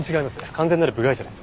完全なる部外者です。